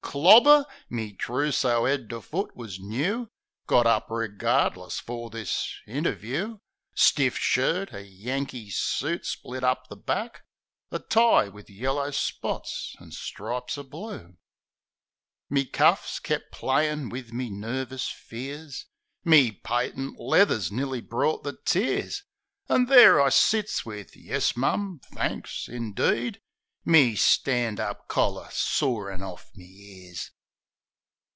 Clobber? Me trosso, 'ead to foot, wus noo — Got up regardless, fer this interview. Stiff shirt, a Yankee soot split up the back, A tie wiv yeller spots an' stripes o' blue. MAR 65 Me cufifs kep' playin' wiv me nervis fears Me patent leathers nearly brought the tears An' there I sits wiv, "Yes, mum. Thanks. Indeed?" Me stand up collar sorin' orf me ears.